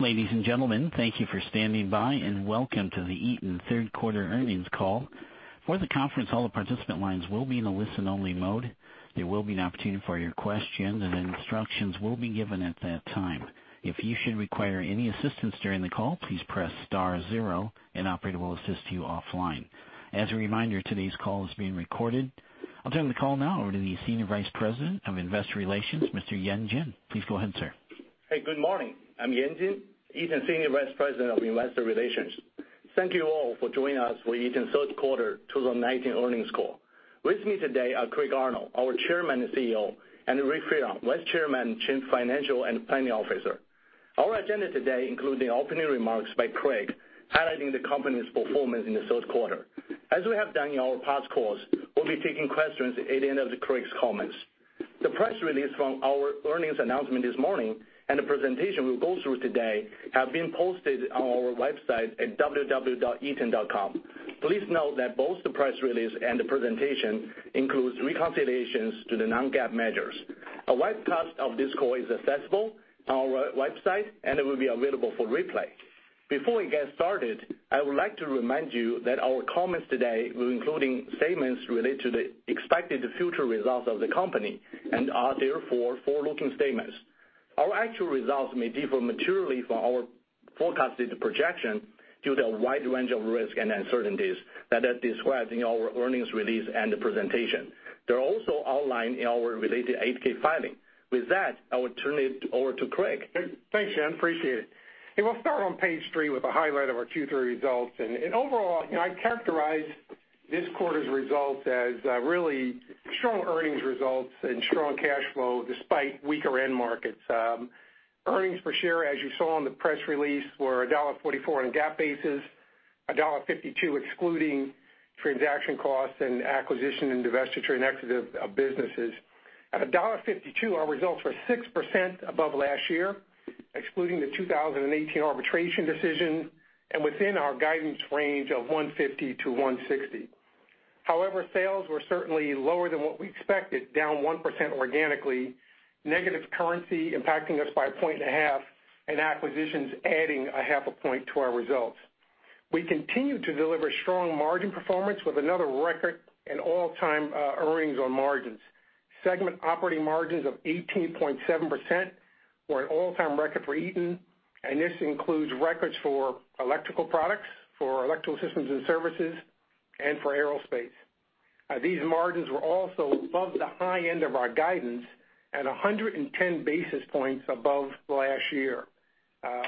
Ladies and gentlemen, thank you for standing by, and welcome to the Eaton third quarter earnings call. For the conference, all the participant lines will be in a listen-only mode. There will be an opportunity for your questions, and instructions will be given at that time. If you should require any assistance during the call, please press star zero, and an operator will assist you offline. As a reminder, today's call is being recorded. I'll turn the call now over to the Senior Vice President of Investor Relations, Mr. Yan Jin. Please go ahead, sir. Hey, good morning. I'm Yan Jin, Eaton Senior Vice President of Investor Relations. Thank you all for joining us for Eaton's third quarter 2019 earnings call. With me today are Craig Arnold, our Chairman and CEO, and Rick Fearon, Vice Chairman, Chief Financial and Planning Officer. Our agenda today includes the opening remarks by Craig, highlighting the company's performance in the third quarter. As we have done in our past calls, we'll be taking questions at the end of Craig's comments. The press release from our earnings announcement this morning and the presentation we'll go through today have been posted on our website at www.eaton.com. Please note that both the press release and the presentation includes reconciliations to the non-GAAP measures. A webcast of this call is accessible on our website, and it will be available for replay. Before we get started, I would like to remind you that our comments today will including statements related to the expected future results of the company and are therefore forward-looking statements. Our actual results may differ materially from our forecasted projection due to a wide range of risks and uncertainties that are described in our earnings release and the presentation. They're also outlined in our related 8-K filing. With that, I will turn it over to Craig. Thanks, Yan. Appreciate it. We'll start on page three with a highlight of our Q3 results. Overall, I'd characterize this quarter's results as really strong earnings results and strong cash flow despite weaker end markets. Earnings per share, as you saw in the press release, were $1.44 on GAAP basis, $1.52 excluding transaction costs and acquisition and divestiture and exit of businesses. At $1.52, our results were 6% above last year, excluding the 2018 arbitration decision, and within our guidance range of $1.50-$1.60. However, sales were certainly lower than what we expected, down 1% organically, negative currency impacting us by a point and a half, and acquisitions adding a half a point to our results. We continue to deliver strong margin performance with another record in all-time earnings on margins. Segment operating margins of 18.7% were an all-time record for Eaton. This includes records for electrical products, for electrical systems and services, and for aerospace. These margins were also above the high end of our guidance and 110 basis points above last year.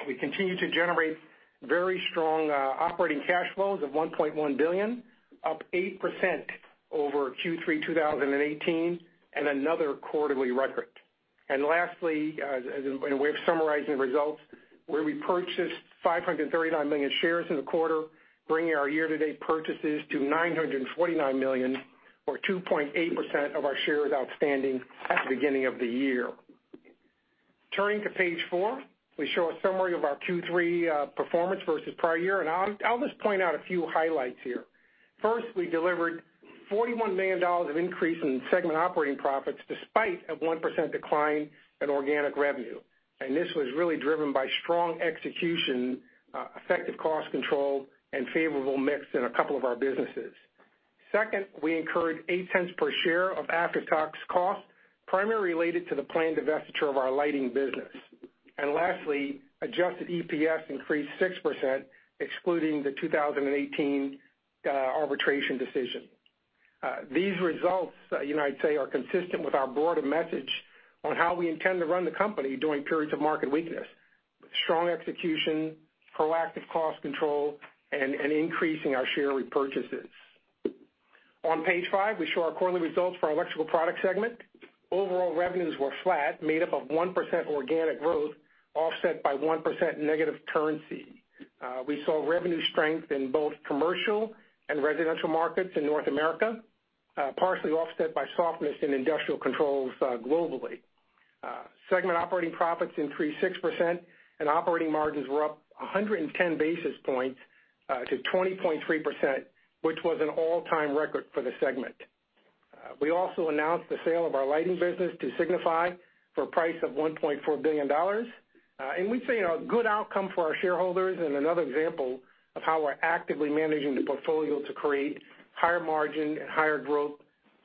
We continue to generate very strong operating cash flows of $1.1 billion, up 8% over Q3 2018. Another quarterly record. Lastly, as a way of summarizing results, we purchased 539 million shares in the quarter, bringing our year-to-date purchases to 949 million, or 2.8% of our shares outstanding at the beginning of the year. Turning to page four, we show a summary of our Q3 performance versus prior year. I'll just point out a few highlights here. First, we delivered $41 million of increase in segment operating profits despite a 1% decline in organic revenue. This was really driven by strong execution, effective cost control, and favorable mix in a couple of our businesses. Second, we incurred $0.08 per share of after-tax costs, primarily related to the planned divestiture of our lighting business. Lastly, adjusted EPS increased 6%, excluding the 2018 arbitration decision. These results, I'd say, are consistent with our broader message on how we intend to run the company during periods of market weakness. Strong execution, proactive cost control, and increasing our share repurchases. On page five, we show our quarterly results for our Electrical Products segment. Overall revenues were flat, made up of 1% organic growth, offset by 1% negative currency. We saw revenue strength in both commercial and residential markets in North America, partially offset by softness in industrial controls globally. Segment operating profits increased 6%, and operating margins were up 110 basis points to 20.3%, which was an all-time record for the segment. We also announced the sale of our lighting business to Signify for a price of $1.4 billion. We'd say a good outcome for our shareholders and another example of how we're actively managing the portfolio to create higher margin and higher growth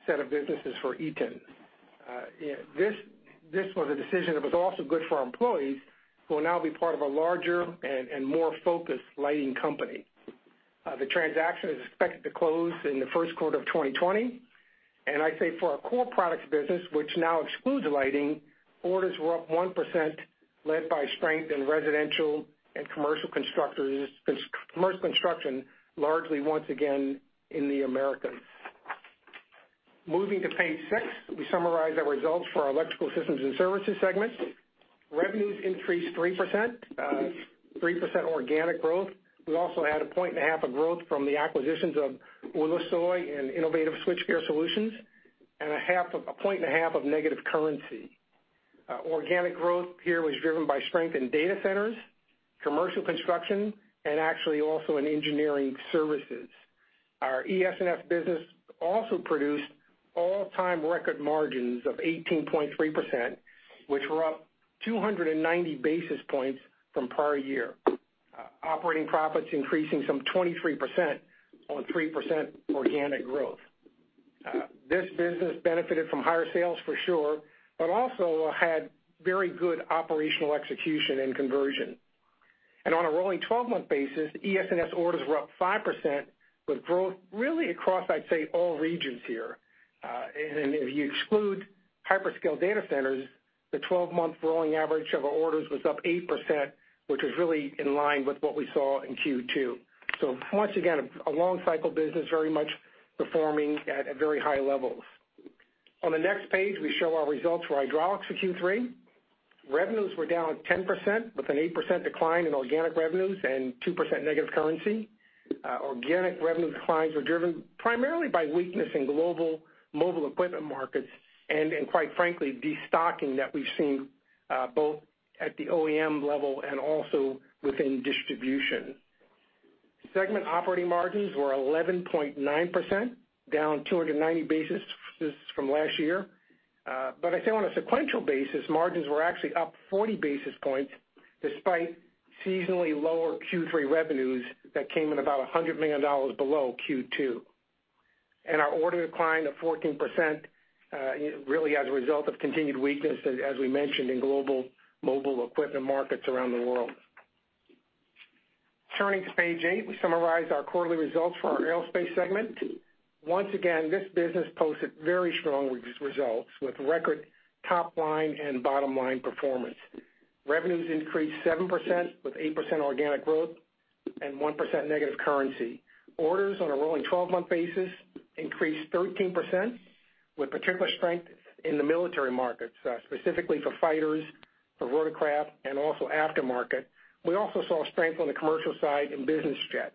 set of businesses for Eaton. This was a decision that was also good for our employees, who will now be part of a larger and more focused lighting company. The transaction is expected to close in the first quarter of 2020. I'd say for our core products business, which now excludes lighting, orders were up 1%, led by strength in residential and commercial construction, largely once again in the Americas. Moving to page six, we summarize our results for our Electrical Systems and Services segment. Revenues increased 3%, 3% organic growth. We also had a point and a half of growth from the acquisitions of Ulusoy and Innovative Switchgear Solutions, and a point and a half of negative currency. Organic growth here was driven by strength in data centers, commercial construction, actually also in engineering services. Our ESNS business also produced all-time record margins of 18.3%, which were up 290 basis points from prior year. Operating profits increasing some 23% on 3% organic growth. This business benefited from higher sales for sure, but also had very good operational execution and conversion. On a rolling 12-month basis, ESNS orders were up 5% with growth really across, I'd say, all regions here. If you exclude hyperscale data centers, the 12-month rolling average of our orders was up 8%, which was really in line with what we saw in Q2. Once again, a long cycle business very much performing at very high levels. On the next page, we show our results for hydraulics for Q3. Revenues were down 10% with an 8% decline in organic revenues and 2% negative currency. Organic revenue declines were driven primarily by weakness in global mobile equipment markets and, quite frankly, destocking that we've seen both at the OEM level and also within distribution. Segment operating margins were 11.9%, down 290 basis from last year. I'd say on a sequential basis, margins were actually up 40 basis points despite seasonally lower Q3 revenues that came in about $100 million below Q2. Our order decline of 14% really as a result of continued weakness, as we mentioned, in global mobile equipment markets around the world. Turning to page eight, we summarize our quarterly results for our aerospace segment. Once again, this business posted very strong results with record top-line and bottom-line performance. Revenues increased 7% with 8% organic growth and 1% negative currency. Orders on a rolling 12-month basis increased 13% with particular strength in the military markets, specifically for fighters, for rotorcraft, and also aftermarket. We also saw strength on the commercial side in business jets.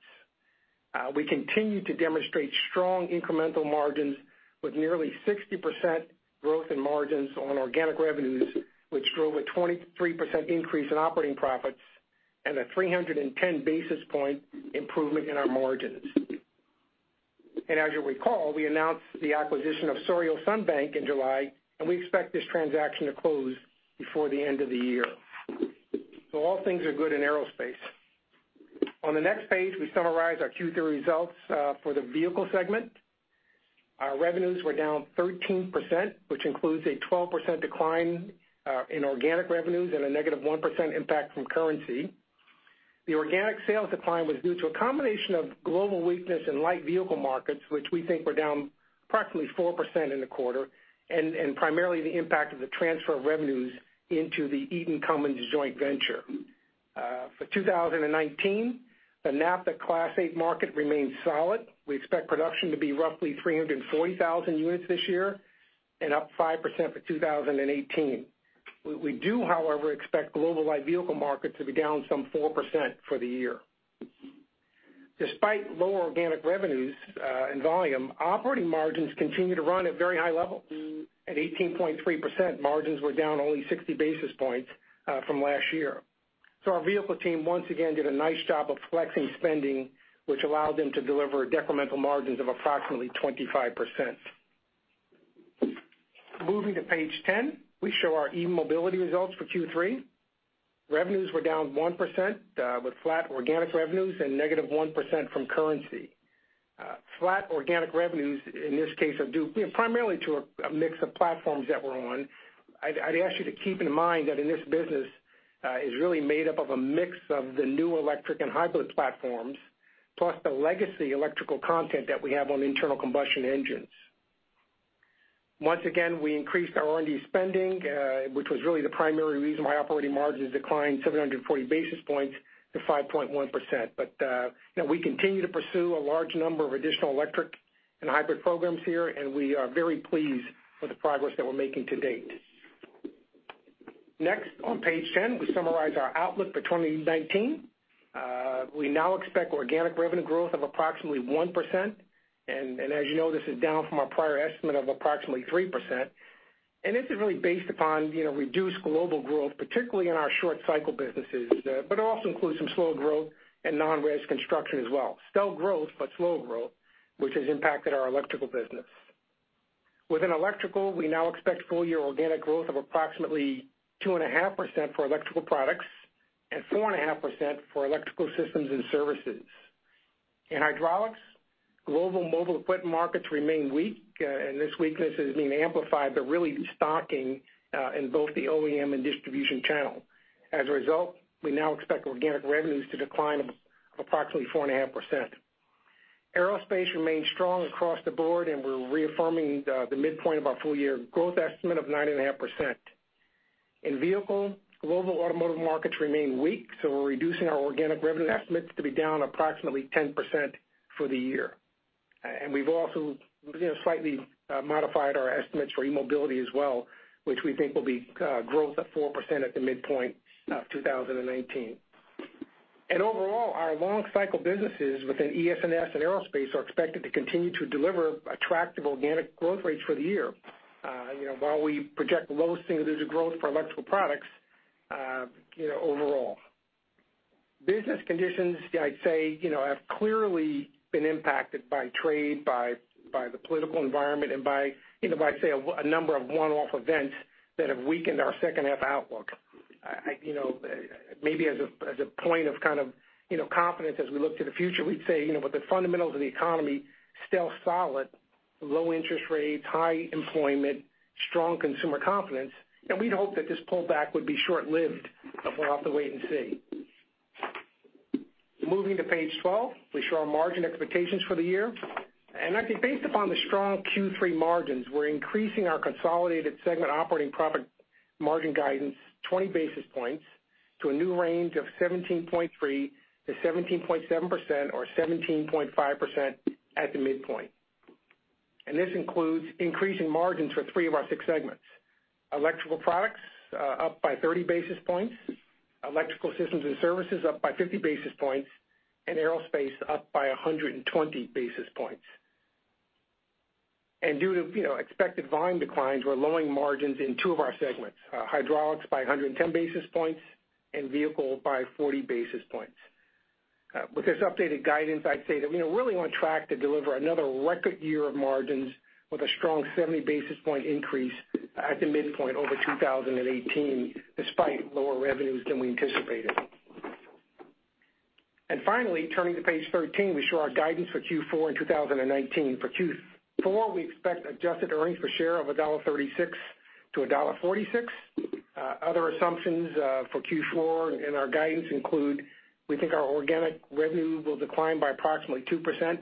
We continue to demonstrate strong incremental margins with nearly 60% growth in margins on organic revenues, which drove a 23% increase in operating profits and a 310 basis point improvement in our margins. As you'll recall, we announced the acquisition of Souriau-Sunbank in July, and we expect this transaction to close before the end of the year. All things are good in aerospace. On the next page, we summarize our Q3 results for the vehicle segment. Our revenues were down 13%, which includes a 12% decline in organic revenues and a negative 1% impact from currency. The organic sales decline was due to a combination of global weakness in light vehicle markets, which we think were down approximately 4% in the quarter, and primarily the impact of the transfer of revenues into the Eaton Cummins joint venture. For 2019, the NAFTA Class 8 market remains solid. We expect production to be roughly 340,000 units this year and up 5% for 2018. We do, however, expect global light vehicle markets to be down some 4% for the year. Despite lower organic revenues and volume, operating margins continue to run at very high levels. At 18.3%, margins were down only 60 basis points from last year. Our vehicle team once again did a nice job of flexing spending, which allowed them to deliver decremental margins of approximately 25%. Moving to page 10, we show our e-mobility results for Q3. Revenues were down 1% with flat organic revenues and negative 1% from currency. Flat organic revenues, in this case, are due primarily to a mix of platforms that we're on. I'd ask you to keep in mind that in this business is really made up of a mix of the new electric and hybrid platforms, plus the legacy electrical content that we have on internal combustion engines. Once again, we increased our R&D spending, which was really the primary reason why operating margins declined 740 basis points to 5.1%. We continue to pursue a large number of additional electric and hybrid programs here, and we are very pleased with the progress that we're making to date. Next, on page 10, we summarize our outlook for 2019. We now expect organic revenue growth of approximately 1%. As you know, this is down from our prior estimate of approximately 3%. This is really based upon reduced global growth, particularly in our short cycle businesses, but it also includes some slow growth in non-res construction as well. Still growth, but slow growth, which has impacted our electrical business. Within electrical, we now expect full-year organic growth of approximately 2.5% for Electrical Products and 4.5% for Electrical Systems and Services. In hydraulics, global mobile equipment markets remain weak, and this weakness is being amplified by really destocking in both the OEM and distribution channel. As a result, we now expect organic revenues to decline approximately 4.5%. Aerospace remains strong across the board, and we're reaffirming the midpoint of our full-year growth estimate of 9.5%. In vehicle, global automotive markets remain weak, so we're reducing our organic revenue estimates to be down approximately 10% for the year. We've also slightly modified our estimates for e-mobility as well, which we think will be growth of 4% at the midpoint of 2019. Overall, our long cycle businesses within ESNS and aerospace are expected to continue to deliver attractive organic growth rates for the year, while we project the lowest single-digit growth for electrical products overall. Business conditions, I'd say, have clearly been impacted by trade, by the political environment, and by, say, a number of one-off events that have weakened our second half outlook. Maybe as a point of kind of confidence as we look to the future, we'd say, with the fundamentals of the economy still solid, low interest rates, high employment, strong consumer confidence, and we'd hope that this pullback would be short-lived, but we'll have to wait and see. Moving to page 12, we show our margin expectations for the year. I think based upon the strong Q3 margins, we're increasing our consolidated segment operating profit margin guidance 20 basis points to a new range of 17.3%-17.7%, or 17.5% at the midpoint. This includes increasing margins for three of our six segments. Electrical products are up by 30 basis points, electrical systems and services up by 50 basis points, and aerospace up by 120 basis points. Due to expected volume declines, we're lowering margins in two of our segments, hydraulics by 110 basis points and vehicle by 40 basis points. With this updated guidance, I'd say that we are really on track to deliver another record year of margins with a strong 70 basis point increase at the midpoint over 2018, despite lower revenues than we anticipated. Finally, turning to page 13, we show our guidance for Q4 in 2019. For Q4, we expect adjusted earnings per share of $1.36-$1.46. Other assumptions for Q4 in our guidance include, we think our organic revenue will decline by approximately 2%.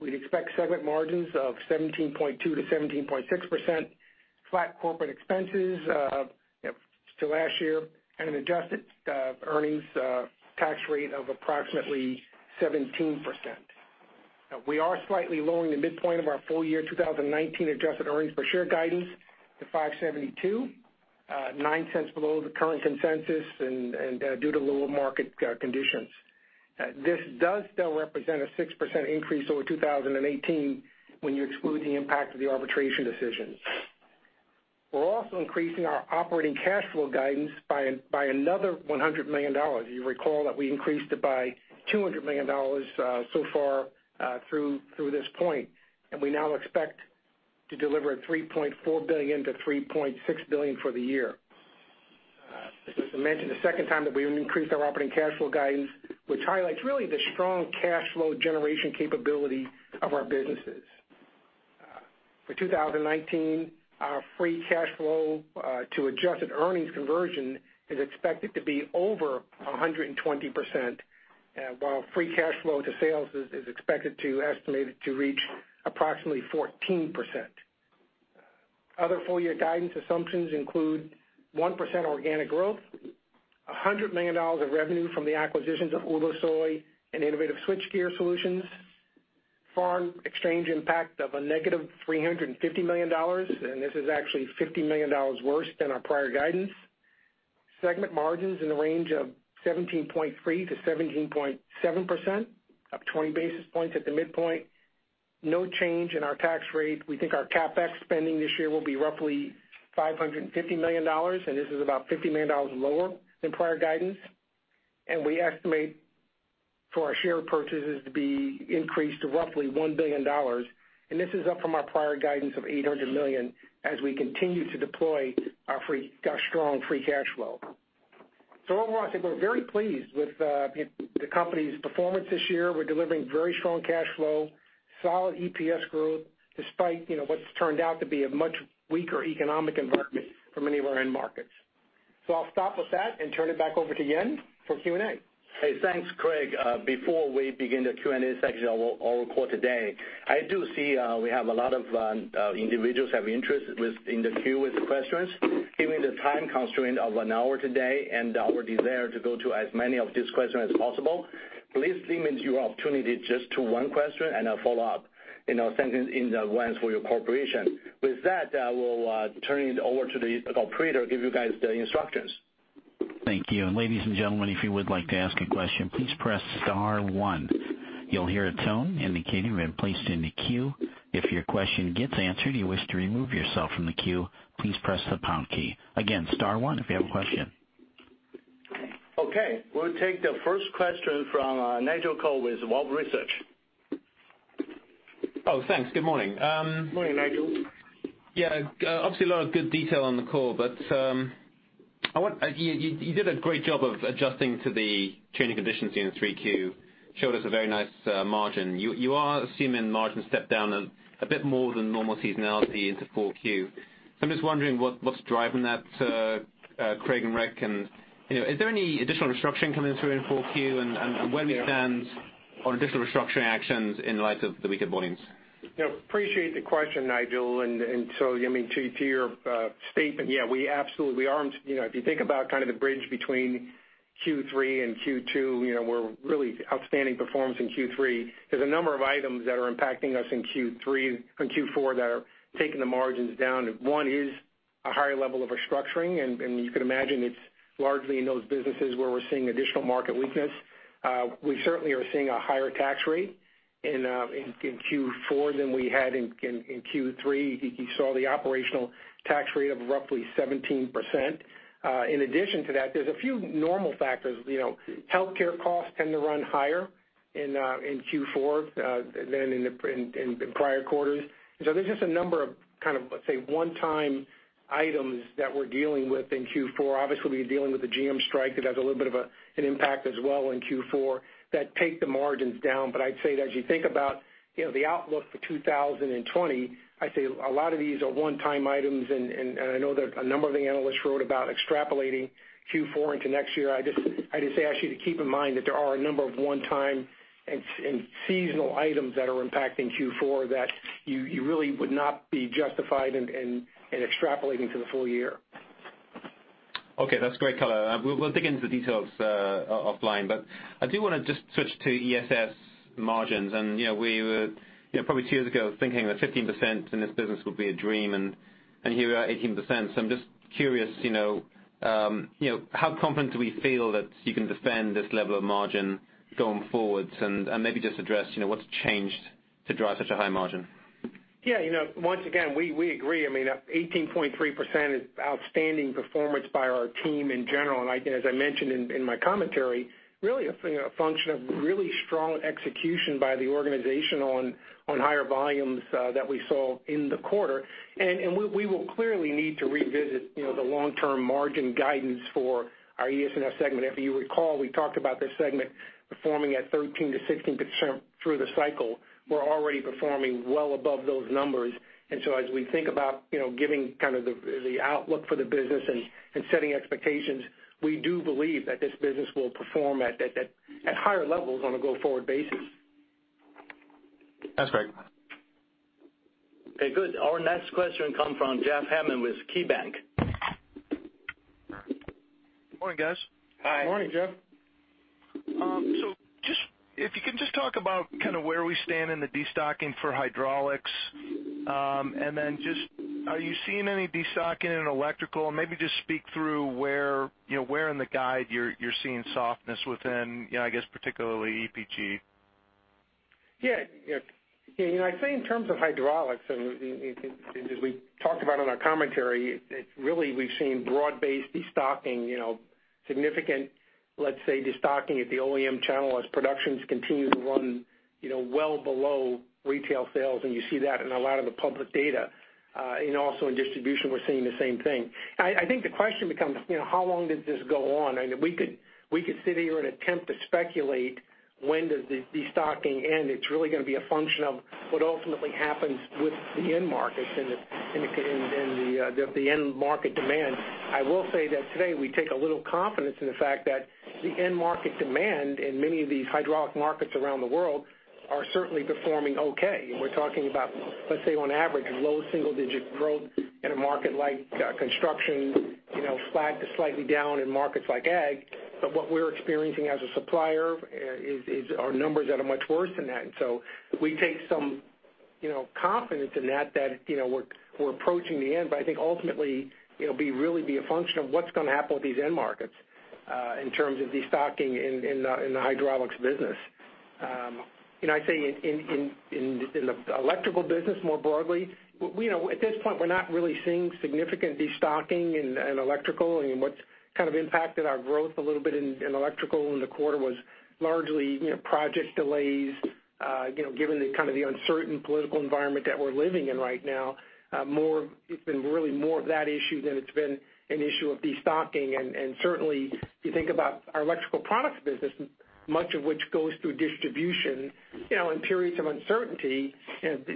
We'd expect segment margins of 17.2%-17.6%, flat corporate expenses to last year, and an adjusted earnings tax rate of approximately 17%. We are slightly lowering the midpoint of our full-year 2019 adjusted earnings per share guidance to $5.72, $0.09 below the current consensus and due to lower market conditions. This does still represent a 6% increase over 2018 when you exclude the impact of the arbitration decisions. We're also increasing our operating cash flow guidance by another $100 million. You recall that we increased it by $200 million so far through this point. We now expect to deliver $3.4 billion-$3.6 billion for the year. As I mentioned, the second time that we increased our operating cash flow guidance, which highlights really the strong cash flow generation capability of our businesses. For 2019, our free cash flow to adjusted earnings conversion is expected to be over 120%, while free cash flow to sales is estimated to reach approximately 14%. Other full-year guidance assumptions include 1% organic growth, $100 million of revenue from the acquisitions of Ulusoy and Innovative Switchgear Solutions, foreign exchange impact of a negative $350 million. This is actually $50 million worse than our prior guidance. Segment margins in the range of 17.3%-17.7%, up 20 basis points at the midpoint. No change in our tax rate. We think our CapEx spending this year will be roughly $550 million. This is about $50 million lower than prior guidance. We estimate for our share purchases to be increased to roughly $1 billion. This is up from our prior guidance of $800 million as we continue to deploy our strong free cash flow. Overall, I think we're very pleased with the company's performance this year. We're delivering very strong cash flow, solid EPS growth, despite what's turned out to be a much weaker economic environment for many of our end markets. I'll stop with that and turn it back over to Yan for Q&A. Hey, thanks, Craig. Before we begin the Q&A section, I'll report today. I do see we have a lot of individuals have interest in the queue with questions. Given the time constraint of an hour today and our desire to go to as many of these questions as possible, please limit your opportunity just to one question and a follow-up. Thank you in advance for your cooperation. With that, I will turn it over to the operator to give you guys the instructions. Thank you. Ladies and gentlemen, if you would like to ask a question, please press star 1. You'll hear a tone indicating you have been placed in the queue. If your question gets answered and you wish to remove yourself from the queue, please press the pound key. Again, star 1 if you have a question. Okay, we'll take the first question from Nigel Coe with Wolfe Research. Oh, thanks. Good morning. Morning, Nigel. Obviously a lot of good detail on the call, you did a great job of adjusting to the changing conditions in Q3, showed us a very nice margin. You are assuming margins step down a bit more than normal seasonality into Q4. I'm just wondering what's driving that, Craig and Rick? Is there any additional restructuring coming through in Q4, and where do we stand on additional restructuring actions in light of the weaker volumes? Appreciate the question, Nigel. To your statement, yeah, we absolutely are. If you think about kind of the bridge between Q3 and Q2, we're really outstanding performance in Q3. There's a number of items that are impacting us in Q4 that are taking the margins down. One is a higher level of restructuring. You can imagine it's largely in those businesses where we're seeing additional market weakness. We certainly are seeing a higher tax rate in Q4 than we had in Q3. You saw the operational tax rate of roughly 17%. In addition to that, there's a few normal factors. Healthcare costs tend to run higher in Q4 than in the prior quarters. There's just a number of kind of, let's say, one-time items that we're dealing with in Q4. We're dealing with the GM strike that has a little bit of an impact as well in Q4 that take the margins down. I'd say that as you think about the outlook for 2020, I'd say a lot of these are one-time items, and I know that a number of the analysts wrote about extrapolating Q4 into next year. I'd just ask you to keep in mind that there are a number of one-time and seasonal items that are impacting Q4 that you really would not be justified in extrapolating to the full year. Okay, that's great color. We'll dig into the details offline. I do want to just switch to ESS margins, and we were, probably two years ago, thinking that 15% in this business would be a dream, and here we are at 18%. I'm just curious, how confident do we feel that you can defend this level of margin going forward? Maybe just address what's changed to drive such a high margin. Yeah. Once again, we agree. I mean, 18.3% is outstanding performance by our team in general. As I mentioned in my commentary, really a function of really strong execution by the organization on higher volumes that we saw in the quarter. We will clearly need to revisit the long-term margin guidance for our ESS segment. If you recall, we talked about this segment performing at 13%-16% through the cycle. We're already performing well above those numbers. As we think about giving kind of the outlook for the business and setting expectations, we do believe that this business will perform at higher levels on a go-forward basis. That's great. Okay, good. Our next question comes from Jeffrey Hammond with KeyBanc. Morning, guys. Hi. Morning, Jeff. If you can just talk about kind of where we stand in the destocking for hydraulics, just are you seeing any destocking in electrical? Maybe just speak through where in the guide you're seeing softness within, I guess particularly EPG. Yeah. I'd say in terms of hydraulics, and as we talked about in our commentary, really we've seen broad-based destocking, significant, let's say, destocking at the OEM channel as productions continue to run well below retail sales, and you see that in a lot of the public data. Also in distribution, we're seeing the same thing. I think the question becomes how long does this go on? We could sit here and attempt to speculate when does the destocking end. It's really going to be a function of what ultimately happens with the end markets and the end market demand. I will say that today we take a little confidence in the fact that the end market demand in many of these hydraulic markets around the world are certainly performing okay. We're talking about, let's say, on average, low single-digit growth in a market like construction, slightly down in markets like ag. What we're experiencing as a supplier is our numbers that are much worse than that. We take some confidence in that we're approaching the end. I think ultimately it'll be really be a function of what's going to happen with these end markets in terms of destocking in the hydraulics business. I'd say in the electrical business, more broadly, at this point, we're not really seeing significant destocking in electrical. What's kind of impacted our growth a little bit in electrical in the quarter was largely project delays given the kind of the uncertain political environment that we're living in right now. It's been really more of that issue than it's been an issue of destocking. Certainly, you think about our Electrical Products business, much of which goes through distribution, in periods of uncertainty,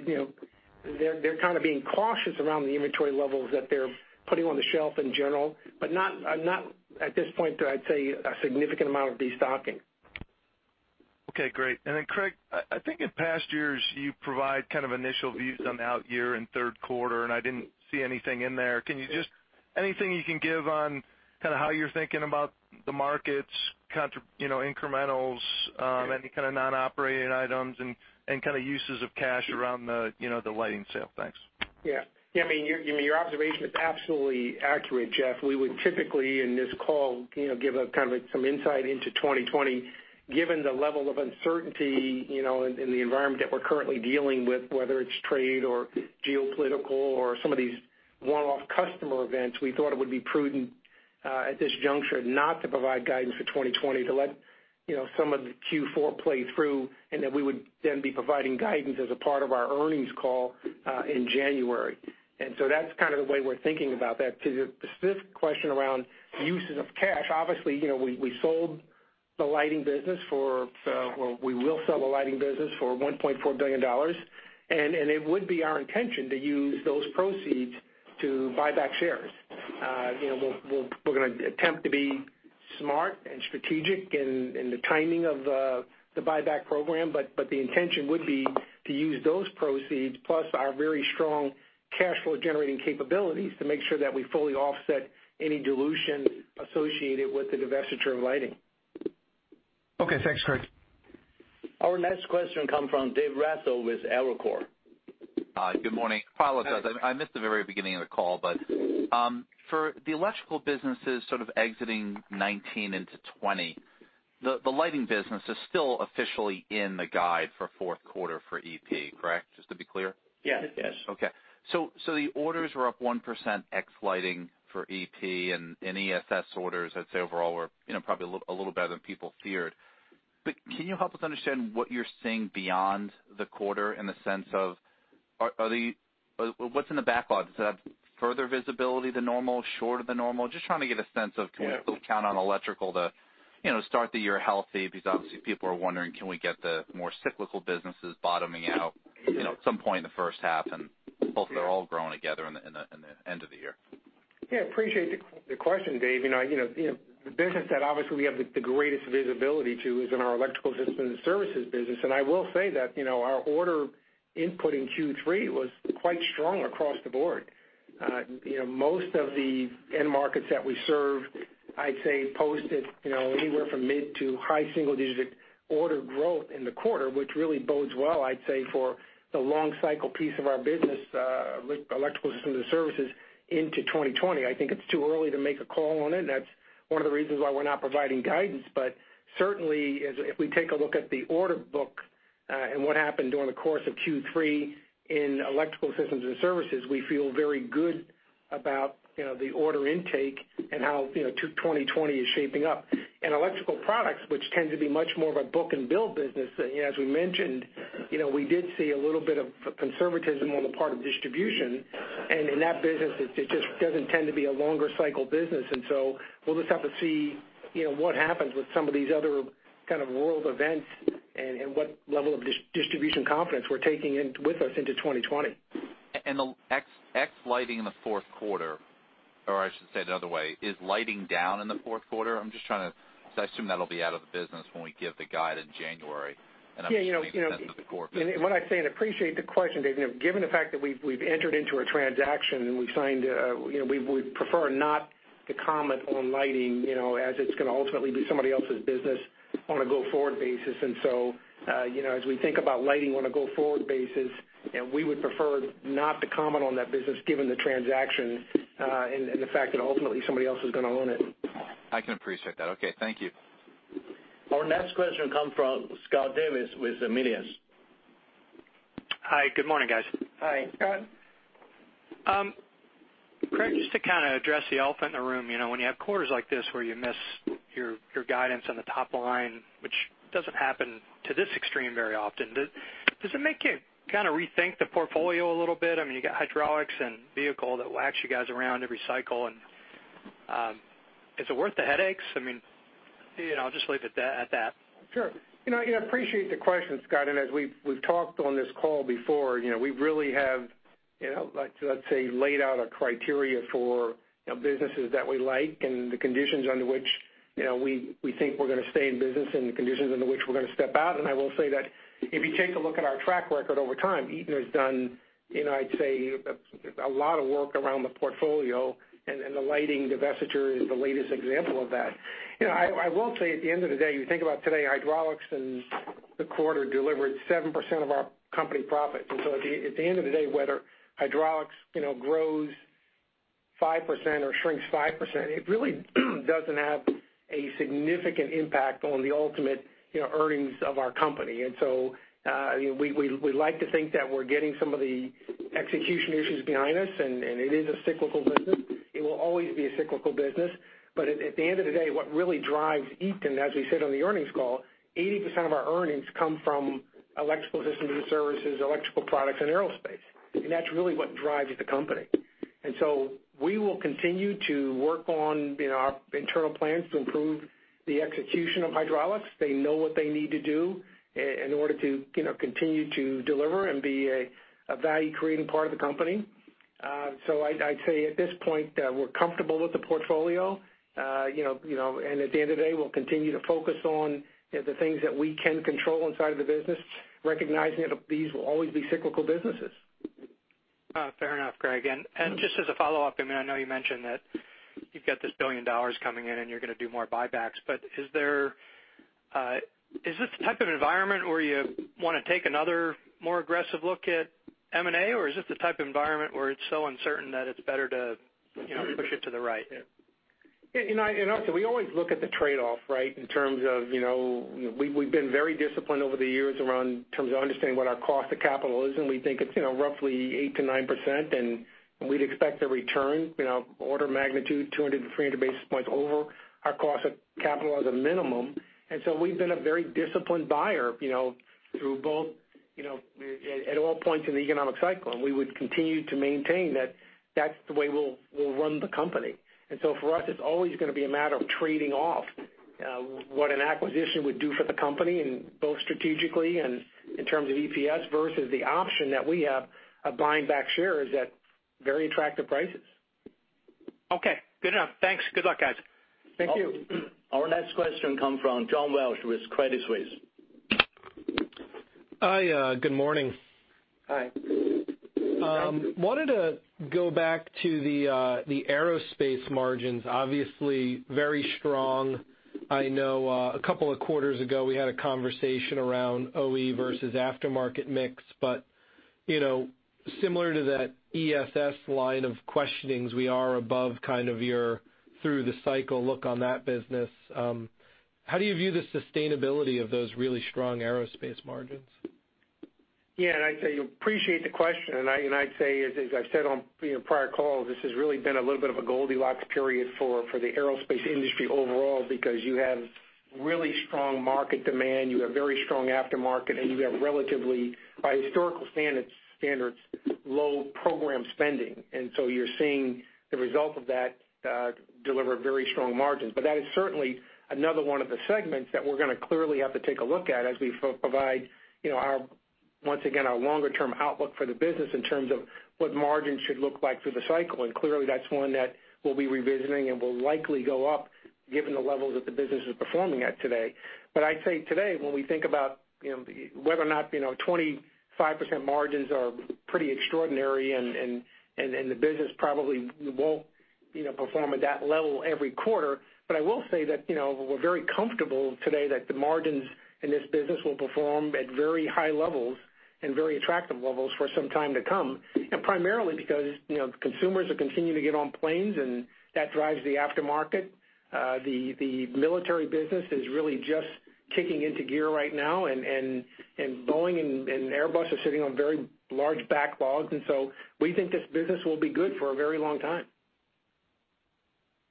they're kind of being cautious around the inventory levels that they're putting on the shelf in general, but not at this point that I'd say a significant amount of destocking. Okay, great. Then Craig, I think in past years, you provide kind of initial views on the out year and third quarter, I didn't see anything in there. Anything you can give on kind of how you're thinking about the markets, incrementals, any kind of non-operating items, kind of uses of cash around the lighting sale? Thanks. Yeah. I mean, your observation is absolutely accurate, Jeff. We would typically in this call give kind of some insight into 2020. Given the level of uncertainty in the environment that we're currently dealing with, whether it's trade or geopolitical or some of these one-off customer events, we thought it would be prudent at this juncture not to provide guidance for 2020 to let some of the Q4 play through, and that we would then be providing guidance as a part of our earnings call in January. That's kind of the way we're thinking about that. To the specific question around uses of cash, obviously we sold the lighting business or we will sell the lighting business for $1.4 billion, and it would be our intention to use those proceeds to buy back shares. We're going to attempt to be smart and strategic in the timing of the buyback program, but the intention would be to use those proceeds plus our very strong cash flow-generating capabilities to make sure that we fully offset any dilution associated with the divestiture of lighting. Okay, thanks, Craig. Our next question come from David Leiker with Evercore. Hi, good morning. Apologize, I missed the very beginning of the call. For the electrical businesses sort of exiting 2019 into 2020, the lighting business is still officially in the guide for fourth quarter for EP, correct? Just to be clear. Yes. Yes. The orders were up 1% ex lighting for EP and ESS orders, I'd say overall, were probably a little better than people feared. Can you help us understand what you're seeing beyond the quarter in the sense of, what's in the backlog? Does it have further visibility than normal? Shorter than normal? Just trying to get a sense of. Yeah Can we count on Electrical to start the year healthy? Obviously people are wondering, can we get the more cyclical businesses bottoming out, at some point in the first half, and hopefully they're all growing together in the end of the year. Yeah, appreciate the question, Dave. The business that obviously we have the greatest visibility to is in our Electrical Systems and Services business. I will say that, our order input in Q3 was quite strong across the board. Most of the end markets that we serve, I'd say posted anywhere from mid to high single-digit order growth in the quarter, which really bodes well, I'd say, for the long cycle piece of our business, Electrical Systems and Services into 2020. I think it's too early to make a call on it, and that's one of the reasons why we're not providing guidance. Certainly, if we take a look at the order book, and what happened during the course of Q3 in Electrical Systems and Services, we feel very good about the order intake and how 2020 is shaping up. In electrical products, which tend to be much more of a book and build business, as we mentioned, we did see a little bit of conservatism on the part of distribution. In that business, it just doesn't tend to be a longer cycle business. We'll just have to see what happens with some of these other kind of world events and what level of distribution confidence we're taking with us into 2020. The ex lighting in the fourth quarter, I should say it another way, is lighting down in the fourth quarter? I assume that'll be out of the business when we give the guide in January. I'm just trying to get a sense of the core business. Appreciate the question, Dave, given the fact that we've entered into a transaction, and we've signed, we prefer not to comment on lighting, as it's going to ultimately be somebody else's business on a go-forward basis. As we think about lighting on a go-forward basis, and we would prefer not to comment on that business given the transaction, and the fact that ultimately somebody else is going to own it. I can appreciate that. Okay. Thank you. Our next question come from Scott Davis with Melius. Hi. Good morning, guys. Hi. Go ahead. Craig, just to kind of address the elephant in the room, when you have quarters like this where you miss your guidance on the top line, which doesn't happen to this extreme very often, does it make you kind of rethink the portfolio a little bit? I mean, you got hydraulics and vehicle that whacks you guys around every cycle and, is it worth the headaches? I mean, I'll just leave it at that. Sure. I appreciate the question, Scott. As we've talked on this call before, we really have, let's say, laid out a criteria for businesses that we like and the conditions under which we think we're going to stay in business and the conditions under which we're going to step out. I will say that if you take a look at our track record over time, Eaton has done, I'd say, a lot of work around the portfolio and the lighting divestiture is the latest example of that. I will say at the end of the day, you think about today, hydraulics and the quarter delivered 7% of our company profit. At the end of the day, whether hydraulics grows 5% or shrinks 5%, it really doesn't have a significant impact on the ultimate earnings of our company. We like to think that we're getting some of the execution issues behind us, and it is a cyclical business. It will always be a cyclical business. At the end of the day, what really drives Eaton, as we said on the earnings call, 80% of our earnings come from electrical systems and services, electrical products, and aerospace. That's really what drives the company. We will continue to work on our internal plans to improve the execution of hydraulics. They know what they need to do in order to continue to deliver and be a value-creating part of the company. I'd say at this point, we're comfortable with the portfolio, and at the end of the day, we'll continue to focus on the things that we can control inside of the business, recognizing that these will always be cyclical businesses. Fair enough, Greg. Just as a follow-up, I know you mentioned that you've got this $1 billion coming in and you're going to do more buybacks, but is this the type of environment where you want to take another more aggressive look at M&A, or is this the type of environment where it's so uncertain that it's better to push it to the right? Honestly, we always look at the trade-off, right? In terms of, we've been very disciplined over the years around in terms of understanding what our cost of capital is, and we think it's roughly 8%-9%, and we'd expect a return order of magnitude 200-300 basis points over our cost of capital as a minimum. We've been a very disciplined buyer at all points in the economic cycle, and we would continue to maintain that that's the way we'll run the company. For us, it's always going to be a matter of trading off what an acquisition would do for the company, both strategically and in terms of EPS versus the option that we have of buying back shares at very attractive prices. Okay. Good enough. Thanks. Good luck, guys. Thank you. Our next question come from John Walsh with Credit Suisse. Hi, good morning. Hi. Wanted to go back to the aerospace margins. Obviously very strong. I know, a couple of quarters ago we had a conversation around OE versus aftermarket mix, similar to that ESS line of questionings, we are above kind of your through the cycle look on that business. How do you view the sustainability of those really strong aerospace margins? I'd say appreciate the question. I'd say as I've said on prior calls, this has really been a little bit of a Goldilocks period for the aerospace industry overall because you have really strong market demand, you have very strong aftermarket, and you have relatively, by historical standards, low program spending. You're seeing the result of that deliver very strong margins. That is certainly another one of the segments that we're going to clearly have to take a look at as we provide once again, our longer term outlook for the business in terms of what margins should look like through the cycle. Clearly, that's one that we'll be revisiting and will likely go up given the levels that the business is performing at today. I'd say today, when we think about whether or not 25% margins are pretty extraordinary and the business probably won't perform at that level every quarter, I will say that we're very comfortable today that the margins in this business will perform at very high levels and very attractive levels for some time to come, primarily because consumers are continuing to get on planes, and that drives the aftermarket. The military business is really just kicking into gear right now and Boeing and Airbus are sitting on very large backlogs. We think this business will be good for a very long time.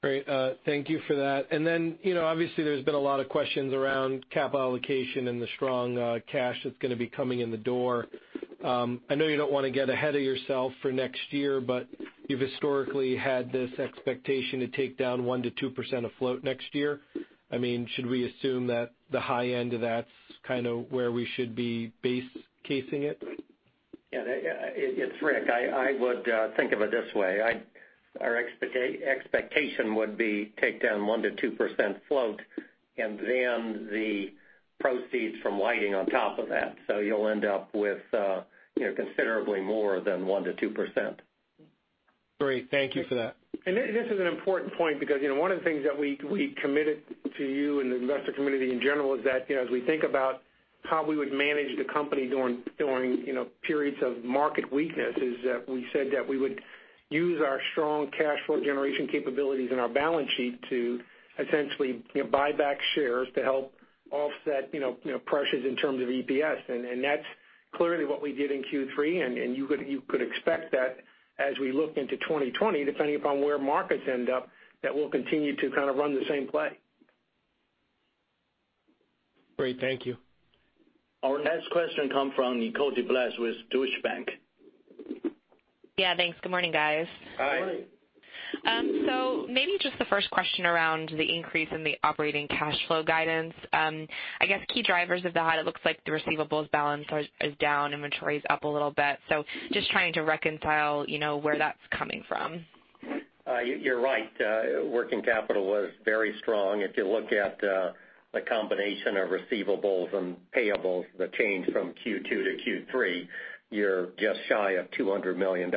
Great. Thank you for that. Obviously there's been a lot of questions around capital allocation and the strong cash that's going to be coming in the door. I know you don't want to get ahead of yourself for next year, you've historically had this expectation to take down 1%-2% of float next year. Should we assume that the high end of that's kind of where we should be base casing it? Yeah. It's Rick. I would think of it this way. Our expectation would be take down 1% to 2% float, and then the proceeds from lighting on top of that. You'll end up with considerably more than 1% to 2%. Great. Thank you for that. This is an important point because one of the things that we committed to you and the investor community in general is that as we think about how we would manage the company during periods of market weakness, is that we said that we would use our strong cash flow generation capabilities in our balance sheet to essentially buy back shares to help offset pressures in terms of EPS. That's clearly what we did in Q3. You could expect that as we look into 2020, depending upon where markets end up, that we'll continue to kind of run the same play. Great. Thank you. Our next question come from Nicole DeBlase with Deutsche Bank. Yeah, thanks. Good morning, guys. Hi. Good morning. Maybe just the first question around the increase in the operating cash flow guidance. I guess key drivers of that, it looks like the receivables balance is down, inventory is up a little bit. Just trying to reconcile where that's coming from. You're right. Working capital was very strong. If you look at the combination of receivables and payables, the change from Q2 to Q3, you're just shy of $200 million.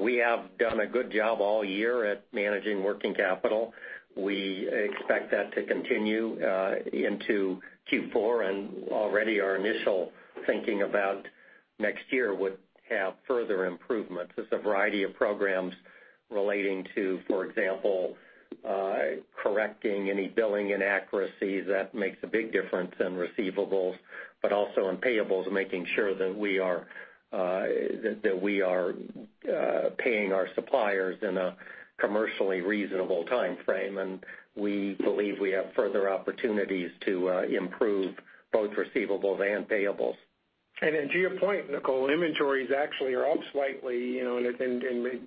We have done a good job all year at managing working capital. We expect that to continue into Q4, and already our initial thinking about next year would have further improvements. There's a variety of programs relating to, for example correcting any billing inaccuracies. That makes a big difference in receivables, but also in payables, making sure that we are paying our suppliers in a commercially reasonable timeframe. We believe we have further opportunities to improve both receivables and payables. To your point, Nicole, inventories actually are up slightly.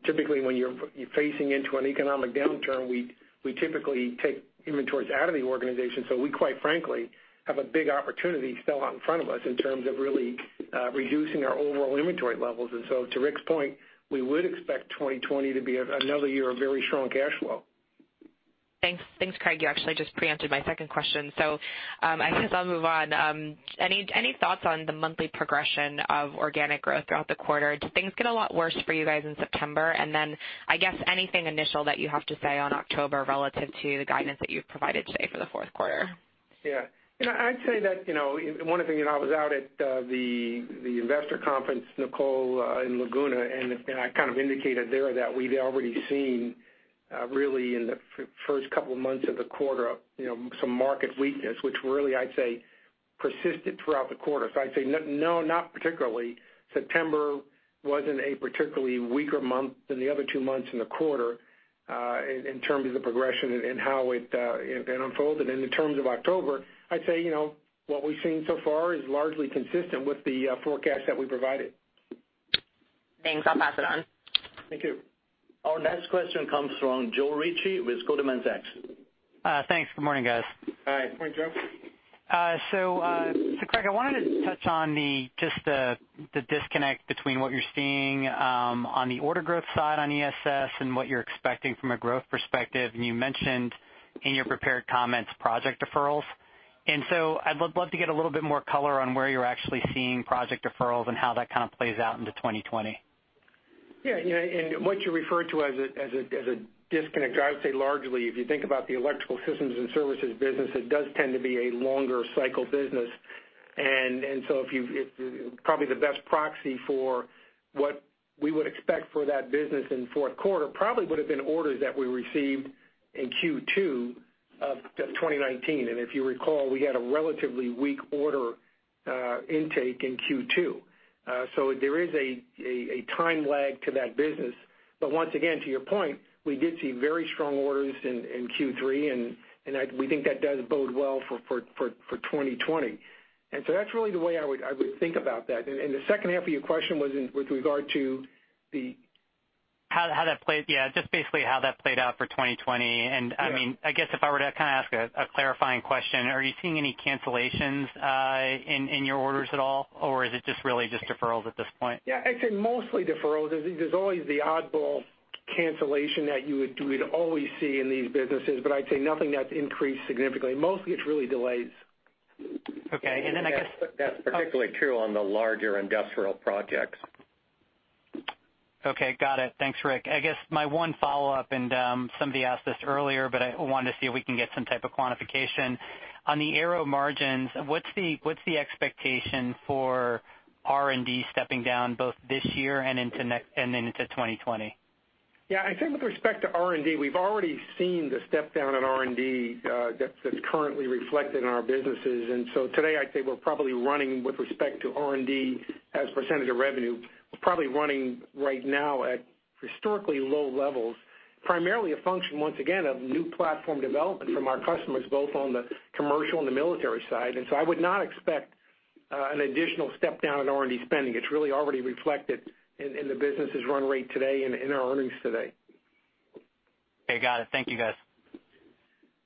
Typically, when you're facing into an economic downturn, we typically take inventories out of the organization. We quite frankly, have a big opportunity still out in front of us in terms of really reducing our overall inventory levels. To Rick's point, we would expect 2020 to be another year of very strong cash flow. Thanks, Craig. You actually just preempted my second question. I guess I'll move on. Any thoughts on the monthly progression of organic growth throughout the quarter? Do things get a lot worse for you guys in September? I guess anything initial that you have to say on October relative to the guidance that you've provided today for the fourth quarter? Yeah. I'd say that one of the things, and I was out at the investor conference, Nicole, in Laguna, and I kind of indicated there that we've already seen really in the first couple of months of the quarter some market weakness, which really I'd say persisted throughout the quarter. I'd say no, not particularly. September wasn't a particularly weaker month than the other two months in the quarter in terms of the progression and how it unfolded. In terms of October, I'd say what we've seen so far is largely consistent with the forecast that we provided. Thanks. I'll pass it on. Thank you. Our next question comes from Joe Ritchie with Goldman Sachs. Thanks. Good morning, guys. Hi. Good morning, Joe. Touch on just the disconnect between what you're seeing on the order growth side on ESS and what you're expecting from a growth perspective. You mentioned in your prepared comments project deferrals, I'd love to get a little bit more color on where you're actually seeing project deferrals and how that kind of plays out into 2020. Yeah. What you refer to as a disconnect, I would say largely, if you think about the electrical systems and services business, it does tend to be a longer cycle business. Probably the best proxy for what we would expect for that business in fourth quarter probably would've been orders that we received in Q2 of 2019. If you recall, we had a relatively weak order intake in Q2. There is a time lag to that business. Once again, to your point, we did see very strong orders in Q3, we think that does bode well for 2020. That's really the way I would think about that. The second half of your question was in with regard to the- How that played. Yeah, just basically how that played out for 2020. Yeah. I guess if I were to kind of ask a clarifying question, are you seeing any cancellations in your orders at all, or is it just really just deferrals at this point? Yeah, I'd say mostly deferrals. There's always the oddball cancellation that you would always see in these businesses, but I'd say nothing that's increased significantly. Mostly, it's really delays. Okay. That's particularly true on the larger industrial projects. Okay. Got it. Thanks, Rick. I guess my one follow-up, somebody asked this earlier, I wanted to see if we can get some type of quantification. On the Aero margins, what's the expectation for R&D stepping down both this year and into 2020? Yeah, I'd say with respect to R&D, we've already seen the step down in R&D that's currently reflected in our businesses. Today, I'd say we're probably running with respect to R&D as a % of revenue, we're probably running right now at historically low levels, primarily a function, once again, of new platform development from our customers, both on the commercial and the military side. I would not expect an additional step down in R&D spending. It's really already reflected in the business's run rate today and in our earnings today. Okay. Got it. Thank you, guys.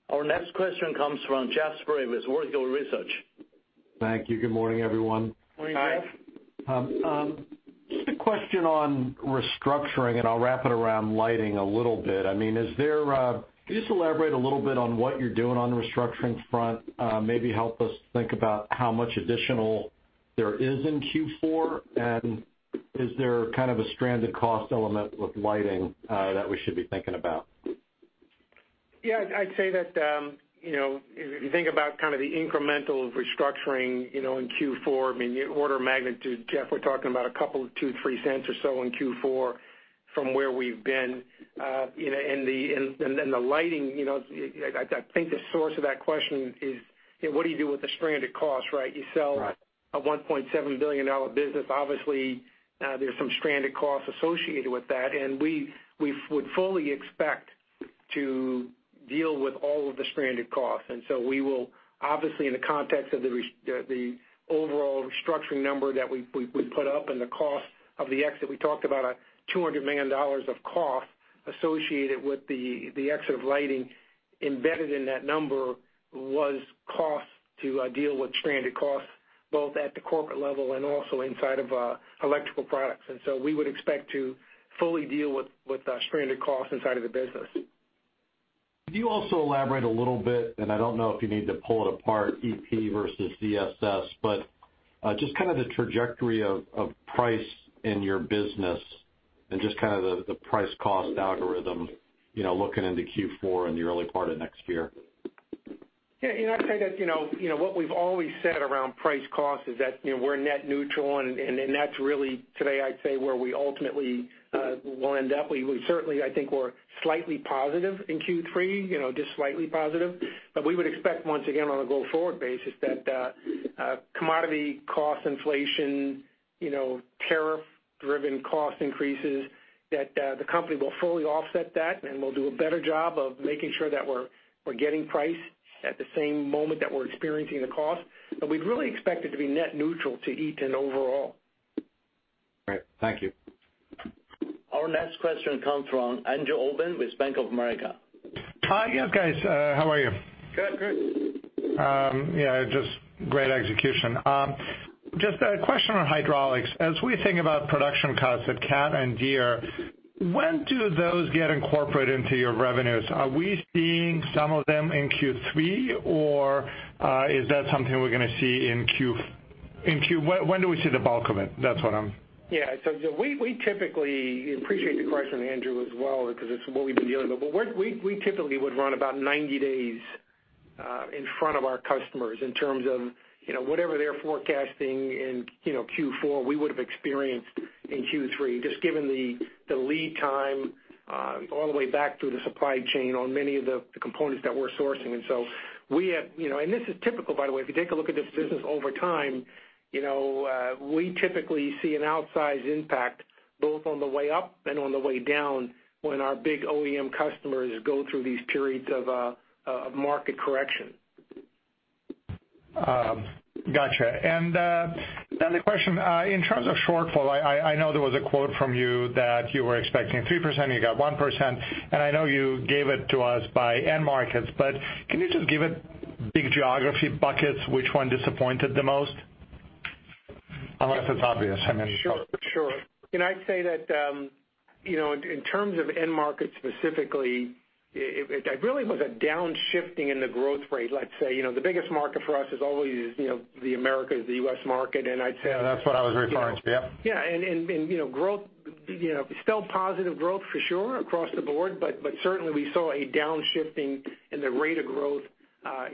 Our next question comes from Jeffrey Sprague with Vertical Research. Thank you. Good morning, everyone. Morning, Jeff. Just a question on restructuring, and I'll wrap it around Lighting a little bit. Can you just elaborate a little bit on what you're doing on the restructuring front? Maybe help us think about how much additional there is in Q4, and is there kind of a stranded cost element with Lighting that we should be thinking about? Yeah. I'd say that if you think about kind of the incremental restructuring in Q4, order of magnitude, Jeff, we're talking about a couple, $0.02, $0.03 or so in Q4 from where we've been. The lighting, I think the source of that question is what do you do with the stranded cost, right? Right. You sell a $1.7 billion business. Obviously, there's some stranded costs associated with that, and we would fully expect to deal with all of the stranded costs. We will obviously, in the context of the overall restructuring number that we put up and the cost of the exit we talked about, a $200 million of cost associated with the exit of lighting embedded in that number was cost to deal with stranded costs both at the corporate level and also inside of Electrical Products. We would expect to fully deal with stranded costs inside of the business. Could you also elaborate a little bit, and I don't know if you need to pull it apart, EP versus ESS, but just kind of the trajectory of price in your business and just kind of the price cost algorithm looking into Q4 and the early part of next year. I'd say that what we've always said around price cost is that we're net neutral, and that's really today, I'd say, where we ultimately will end up. We certainly, I think we're slightly positive in Q3, just slightly positive. We would expect, once again, on a go-forward basis that commodity cost inflation, tariff-driven cost increases, that the company will fully offset that, and we'll do a better job of making sure that we're getting price at the same moment that we're experiencing the cost. We'd really expect it to be net neutral to Eaton overall. Great. Thank you. Our next question comes from Andrew Obin with Bank of America. Hi, yes, guys, how are you? Good. Good. Yeah, just great execution. Just a question on hydraulics. As we think about production cuts at Cat and Deere, when do those get incorporated into your revenues? Are we seeing some of them in Q3, or is that something we're going to see when do we see the bulk of it? Yeah, we typically appreciate the question, Andrew, as well, because it's what we've been dealing with. We typically would run about 90 days in front of our customers in terms of whatever they're forecasting in Q4, we would've experienced in Q3, just given the lead time all the way back through the supply chain on many of the components that we're sourcing. This is typical, by the way. If you take a look at this business over time, we typically see an outsized impact both on the way up and on the way down when our big OEM customers go through these periods of market correction. Got you. The question, in terms of shortfall, I know there was a quote from you that you were expecting 3%, you got 1%, and I know you gave it to us by end markets, but can you just give it big geography buckets, which one disappointed the most? Unless it's obvious. Sure. I'd say that, in terms of end markets specifically, it really was a downshifting in the growth rate, let's say. The biggest market for us is always the Americas, the U.S. market. I'd say. Yeah, that's what I was referring to. Yep. Yeah, still positive growth for sure across the board, but certainly we saw a downshifting in the rate of growth,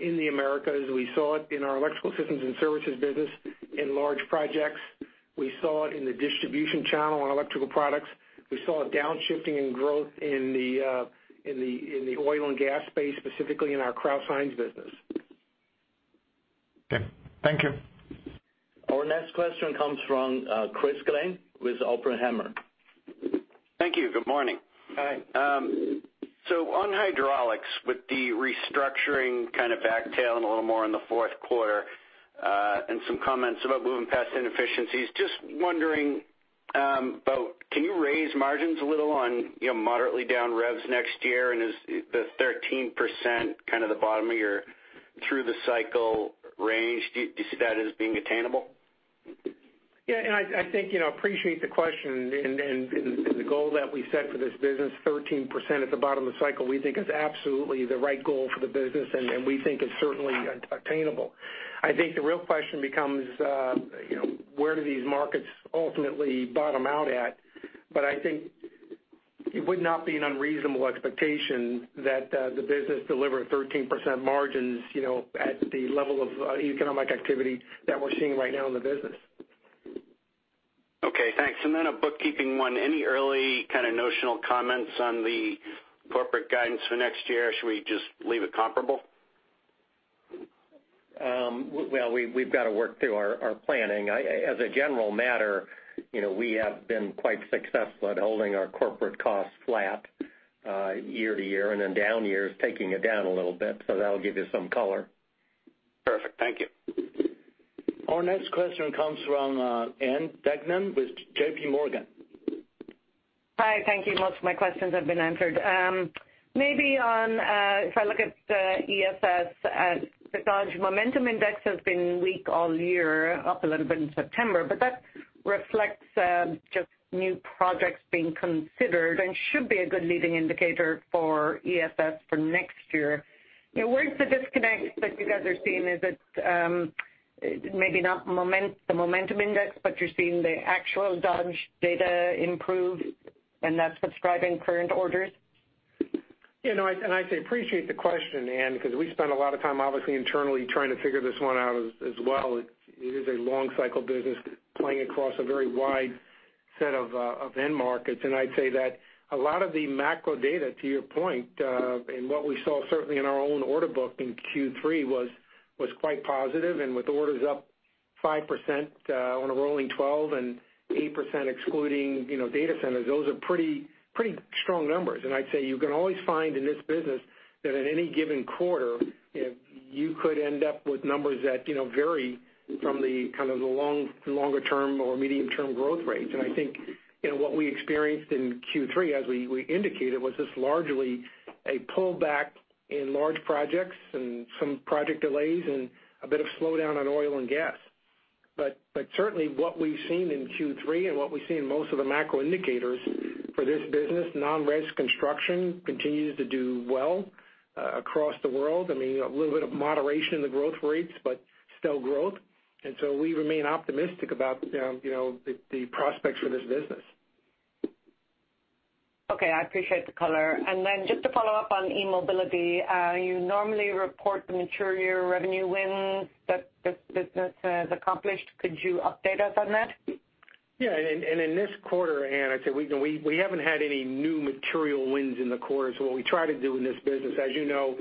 in the Americas. We saw it in our Electrical Systems and Services business, in large projects. We saw it in the distribution channel on electrical products. We saw a downshifting in growth in the oil and gas space, specifically in our KraussMaffei business. Okay. Thank you. Our next question comes from Chris Glynn with Oppenheimer. Thank you. Good morning. Hi. On hydraulics, with the restructuring kind of back tail and a little more in the fourth quarter, and some comments about moving past inefficiencies, just wondering about, can you raise margins a little on moderately down revs next year? Is the 13% kind of the bottom of your through the cycle range? Do you see that as being attainable? Yeah, I appreciate the question. The goal that we set for this business, 13% at the bottom of the cycle, we think is absolutely the right goal for the business, and we think it's certainly attainable. I think the real question becomes, where do these markets ultimately bottom out at? I think it would not be an unreasonable expectation that the business deliver 13% margins at the level of economic activity that we're seeing right now in the business. Okay, thanks. Then a bookkeeping one. Any early kind of notional comments on the corporate guidance for next year? Should we just leave it comparable? We've got to work through our planning. As a general matter, we have been quite successful at holding our corporate costs flat, year to year, and in down years, taking it down a little bit. That'll give you some color. Perfect. Thank you. Our next question comes from Ann Duignan with JP Morgan. Hi. Thank you. Most of my questions have been answered. Maybe on, if I look at the ESS, the Dodge Momentum Index has been weak all year, up a little bit in September, but that reflects just new projects being considered and should be a good leading indicator for ESS for next year. Where's the disconnect that you guys are seeing? Is it maybe not the momentum index, but you're seeing the actual Dodge data improve and that's what's driving current orders? I appreciate the question, Ann, because we spend a lot of time, obviously internally, trying to figure this one out as well. It is a long cycle business playing across a very wide set of end markets. I'd say that a lot of the macro data, to your point, and what we saw certainly in our own order book in Q3 was quite positive. With orders up 5% on a rolling 12 and 8% excluding data centers, those are pretty strong numbers. I'd say you can always find in this business that at any given quarter, you could end up with numbers that vary from the kind of the longer term or medium term growth rates. I think what we experienced in Q3, as we indicated, was this largely a pullback in large projects and some project delays and a bit of slowdown on oil and gas. Certainly what we've seen in Q3 and what we see in most of the macro indicators for this business, non-res construction continues to do well across the world. A little bit of moderation in the growth rates, but still growth. We remain optimistic about the prospects for this business. Okay, I appreciate the color. Just to follow up on e-mobility, you normally report the material revenue wins that the business has accomplished. Could you update us on that? In this quarter, Ann, I'd say we haven't had any new material wins in the quarter. What we try to do in this business, as you know,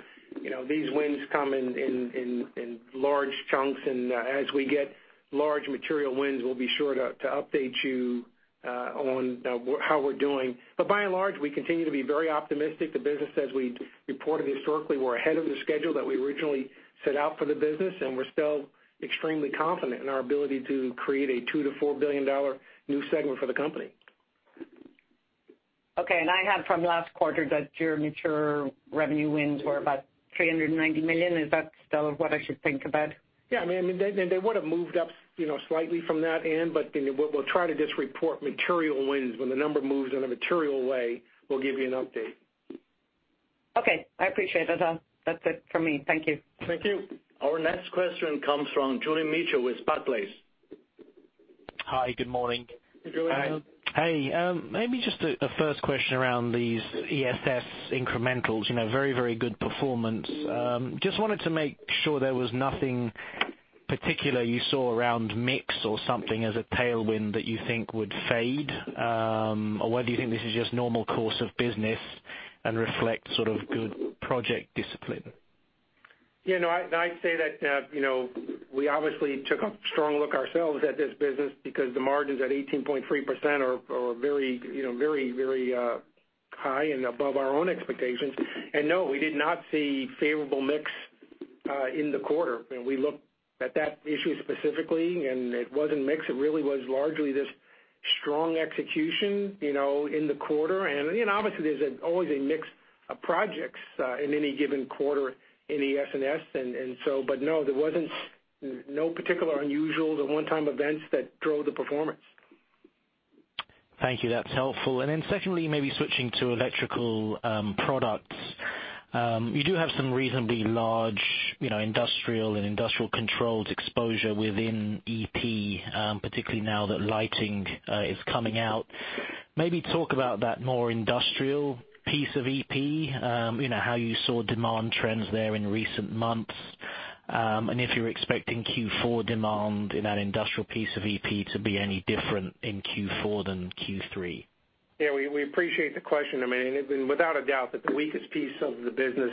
these wins come in large chunks, and as we get large material wins, we'll be sure to update you on how we're doing. By and large, we continue to be very optimistic. The business, as we reported historically, we're ahead of the schedule that we originally set out for the business, and we're still extremely confident in our ability to create a $2 billion-$4 billion new segment for the company. Okay. I had from last quarter that your mature revenue wins were about $390 million. Is that still what I should think about? Yeah. They would have moved up slightly from that, Ann. We'll try to just report material wins. When the number moves in a material way, we'll give you an update. Okay. I appreciate it. That's it from me. Thank you. Thank you. Our next question comes from Julian Mitchell with Barclays. Hi. Good morning. Hey, Julian. Hey. Maybe just a first question around these ESS incrementals. Very good performance. Just wanted to make sure there was nothing particular you saw around mix or something as a tailwind that you think would fade. Whether you think this is just normal course of business and reflects sort of good project discipline. Yeah, no. I'd say that we obviously took a strong look ourselves at this business because the margins at 18.3% are very high and above our own expectations. No, we did not see favorable mix in the quarter. We looked at that issue specifically, and it wasn't mix. It really was largely this strong execution in the quarter. Obviously, there's always a mix of projects in any given quarter in ESS. No, there was no particular unusual one-time events that drove the performance. Thank you. That's helpful. Secondly, maybe switching to electrical products. You do have some reasonably large industrial and industrial controls exposure within EP, particularly now that lighting is coming out. Maybe talk about that more industrial piece of EP, how you saw demand trends there in recent months, and if you're expecting Q4 demand in that industrial piece of EP to be any different in Q4 than Q3. Yeah. We appreciate the question. Without a doubt that the weakest piece of the business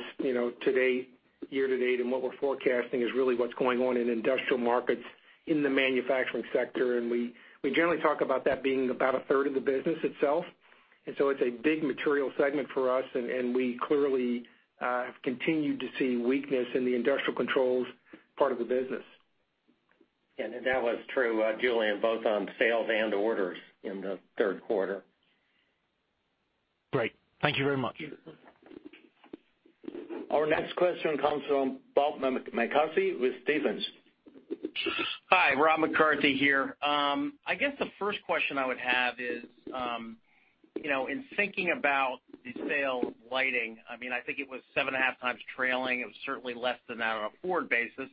today, year to date, and what we're forecasting is really what's going on in industrial markets in the manufacturing sector. We generally talk about that being about a third of the business itself. It's a big material segment for us, and we clearly have continued to see weakness in the industrial controls part of the business. That was true, Julian, both on sales and orders in the third quarter. Great. Thank you very much. Our next question comes from Bob McCarthy with Stephens. Hi, Rob McCarthy here. I guess the first question I would have is, in thinking about the sale of lighting, I think it was seven and a half times trailing. It was certainly less than that on a forward basis.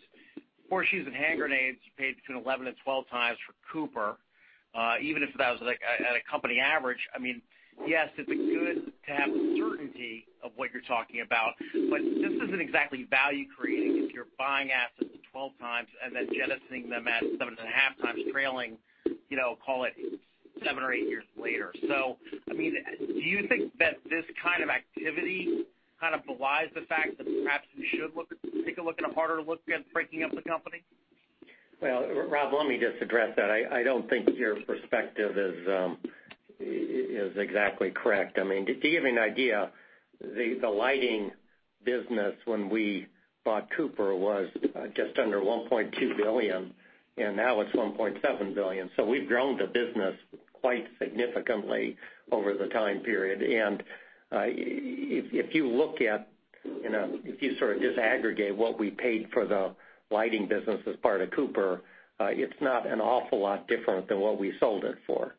Horseshoes and hand grenades paid between 11 and 12 times for Cooper. Even if that was at a company average, yes, it's good to have the certainty of what you're talking about, but this isn't exactly value-creating if you're buying assets at 12 times and then jettisoning them at seven and a half times trailing, call it seven or eight years later. Do you think that this kind of activity kind of belies the fact that perhaps you should take a harder look at breaking up the company? Well, Rob, let me just address that. I don't think your perspective is exactly correct. To give you an idea, the lighting business when we bought Cooper was just under $1.2 billion, and now it's $1.7 billion. We've grown the business quite significantly over the time period. If you sort of disaggregate what we paid for the lighting business as part of Cooper, it's not an awful lot different than what we sold it for.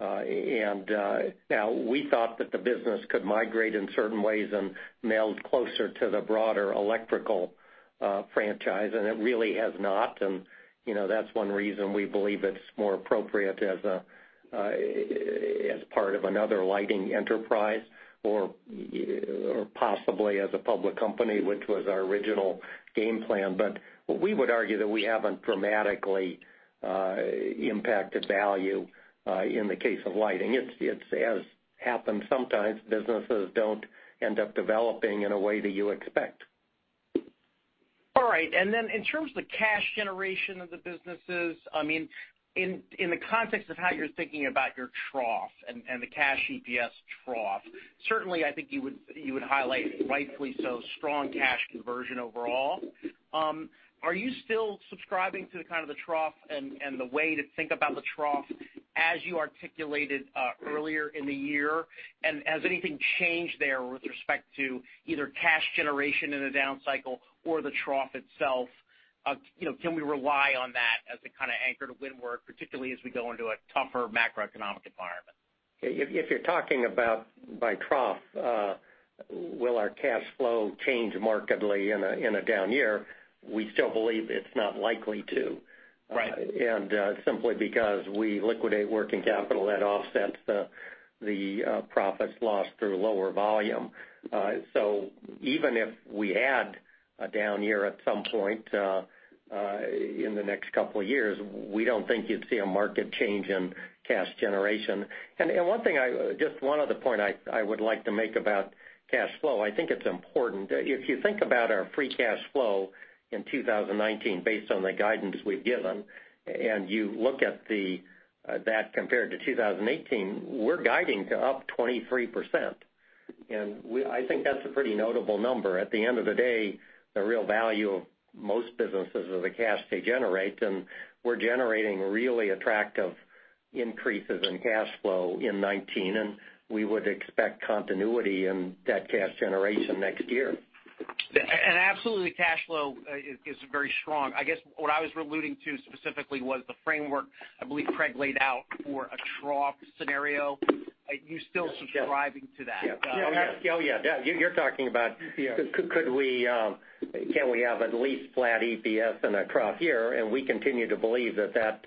Now we thought that the business could migrate in certain ways and meld closer to the broader electrical franchise, and it really has not. That's one reason we believe it's more appropriate as part of another lighting enterprise or possibly as a public company, which was our original game plan. We would argue that we haven't dramatically impacted value in the case of lighting. As happens sometimes, businesses don't end up developing in a way that you expect. All right. In terms of the cash generation of the businesses, in the context of how you're thinking about your trough and the cash EPS trough, certainly I think you would highlight, rightfully so, strong cash conversion overall. Are you still subscribing to kind of the trough and the way to think about the trough as you articulated earlier in the year? Has anything changed there with respect to either cash generation in a down cycle or the trough itself? Can we rely on that as a kind of anchor to windward, particularly as we go into a tougher macroeconomic environment? If you're talking about by trough, will our cash flow change markedly in a down year? We still believe it's not likely to. Right. Simply because we liquidate working capital, that offsets the profits lost through lower volume. Even if we add a down year at some point in the next couple of years, we don't think you'd see a market change in cash generation. Just one other point I would like to make about cash flow, I think it's important. If you think about our free cash flow in 2019 based on the guidance we've given, and you look at that compared to 2018, we're guiding to up 23%. I think that's a pretty notable number. At the end of the day, the real value of most businesses is the cash they generate, and we're generating really attractive increases in cash flow in 2019, and we would expect continuity in that cash generation next year. Absolutely, cash flow is very strong. I guess what I was alluding to specifically was the framework I believe Craig laid out for a trough scenario. Are you still subscribing to that? Oh, yeah. EPS can we have at least flat EPS in a trough year, and we continue to believe that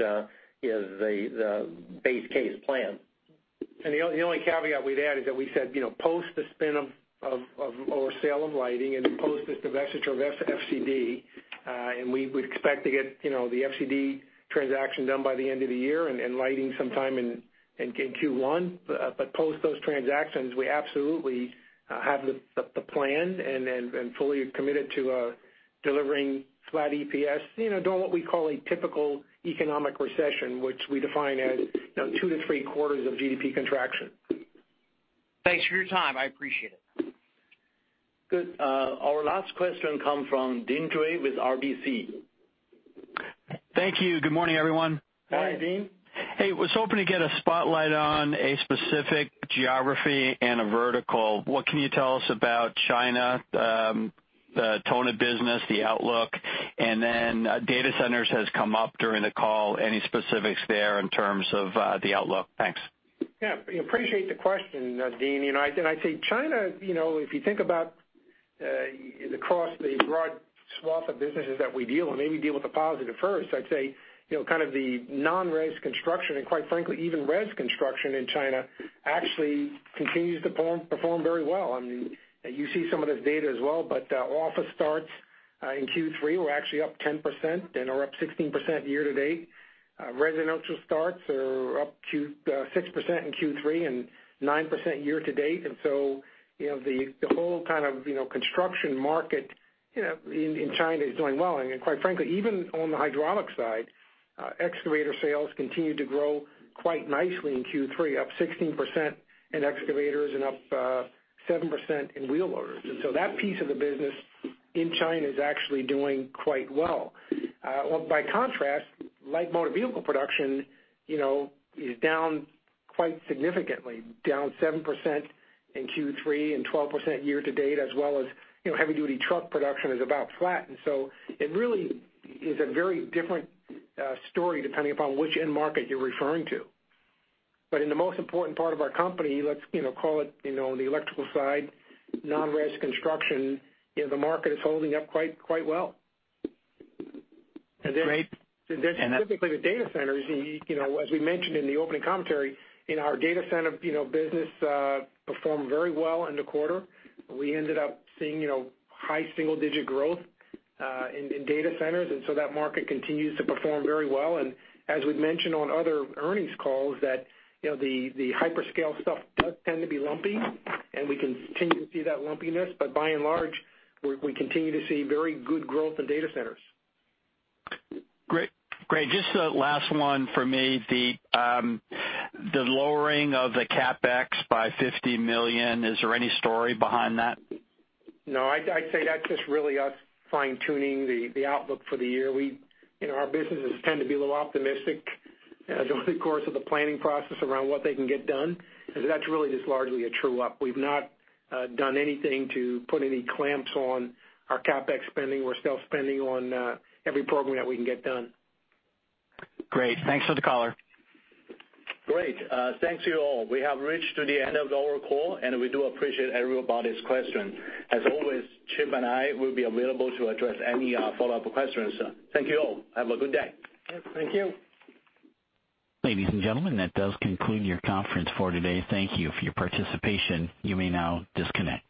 is the base case plan. The only caveat we would add is that we said, post the spin of our sale of lighting and post this divestiture of FCD, and we would expect to get the FCD transaction done by the end of the year and lighting sometime in Q1. Post those transactions, we absolutely have the plan and fully committed to delivering flat EPS, doing what we call a typical economic recession, which we define as two to three quarters of GDP contraction. Thanks for your time. I appreciate it. Good. Our last question come from Deane Dray with RBC. Thank you. Good morning, everyone. Hi, Deane. Hey, was hoping to get a spotlight on a specific geography and a vertical. What can you tell us about China, the tone of business, the outlook, and then data centers has come up during the call? Any specifics there in terms of the outlook? Thanks. Yeah. Appreciate the question, Deane. I'd say China, if you think about across the broad swath of businesses that we deal with, maybe deal with the positive first. I'd say, kind of the non-res construction and quite frankly, even res construction in China actually continues to perform very well. You see some of this data as well, office starts in Q3 were actually up 10% and are up 16% year-to-date. Residential starts are up 6% in Q3 and 9% year-to-date. The whole kind of construction market in China is doing well. Quite frankly, even on the hydraulics side, excavator sales continued to grow quite nicely in Q3, up 16% in excavators and up 7% in wheel loaders. That piece of the business in China is actually doing quite well. Light motor vehicle production is down quite significantly, down 7% in Q3 and 12% year-to-date, as well as heavy-duty truck production is about flat. It really is a very different story depending upon which end market you're referring to. In the most important part of our company, let's call it the electrical side, non-res construction, the market is holding up quite well. Great. Specifically the data centers, as we mentioned in the opening commentary, in our data center business performed very well in the quarter. We ended up seeing high single-digit growth in data centers. That market continues to perform very well. As we've mentioned on other earnings calls that the hyperscale stuff does tend to be lumpy, and we continue to see that lumpiness. By and large, we continue to see very good growth in data centers. Great. Just a last one for me. The lowering of the CapEx by $50 million, is there any story behind that? No, I'd say that's just really us fine-tuning the outlook for the year. Our businesses tend to be a little optimistic during the course of the planning process around what they can get done. That's really just largely a true-up. We've not done anything to put any clamps on our CapEx spending. We're still spending on every program that we can get done. Great. Thanks for the color. Great. Thank you all. We have reached to the end of our call. We do appreciate everybody's question. As always, Chip and I will be available to address any follow-up questions. Thank you all. Have a good day. Thank you. Ladies and gentlemen, that does conclude your conference for today. Thank you for your participation. You may now disconnect.